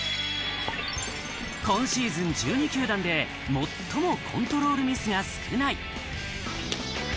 今シーズン１２球団で最もコントロールミスが少ない。